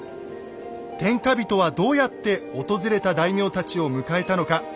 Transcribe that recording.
天下人はどうやって訪れた大名たちを迎えたのか。